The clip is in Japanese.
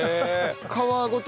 皮ごと？